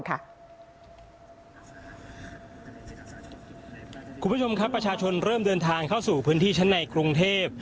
คุณผู้ชมครับประชาชนเริ่มเดินทางเข้าสู่พื้นที่ชั้นในกรุงเทพ